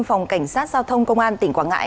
phòng cảnh sát giao thông công an tỉnh quảng ngãi